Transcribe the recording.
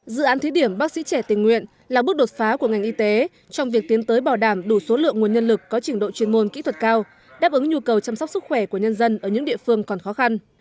dự án thí điểm bác sĩ trẻ tình nguyện là bước đột phá của ngành y tế trong việc tiến tới bảo đảm đủ số lượng nguồn nhân lực có trình độ chuyên môn kỹ thuật cao đáp ứng nhu cầu chăm sóc sức khỏe của nhân dân ở những địa phương còn khó khăn